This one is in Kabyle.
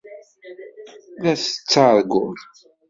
La tettarguḍ.